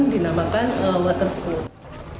dinamakan water spout